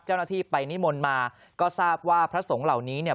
เจ้าหน้าที่ไปนิมนต์มาก็ทราบว่าพระสงฆ์เหล่านี้เนี่ย